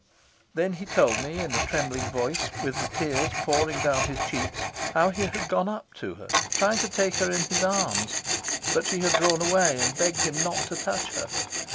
Then he told me, in a trembling voice, with the tears pouring down his cheeks, how he had gone up to her, trying to take her in his arms, but she had drawn away and begged him not to touch her.